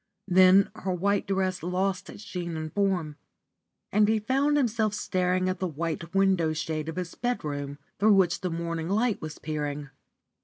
Then her white dress lost its sheen and form, and he found himself staring at the white window shade of his bedroom, through which the morning light was peering.